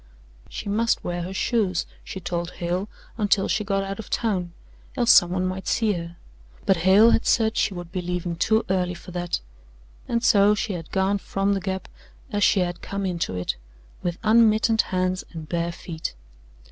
She must wear her shoes, she told Hale, until she got out of town, else someone might see her, but Hale had said she would be leaving too early for that: and so she had gone from the Gap as she had come into it, with unmittened hands and bare feet.